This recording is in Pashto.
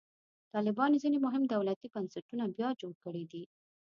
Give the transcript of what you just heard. طالبانو ځینې مهم دولتي بنسټونه بیا جوړ کړي دي.